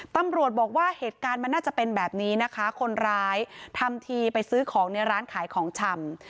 ตำรวจบอกว่าเหตุการณ์มันน่าจะเป็นแบบนี้นะคะคนร้ายทำทีไปซื้อของในร้านขายของชำ